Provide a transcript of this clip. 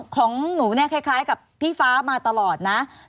ของหนูเนี่ยคล้ายกับพี่ฟ้ามาตลอดนะ